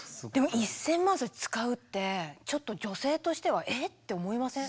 それ使うってちょっと女性としては「え？」って思いません？